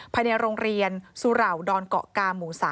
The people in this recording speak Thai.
ภายในโรงเรียนสุเหล่าดอนเกาะกาหมู่๓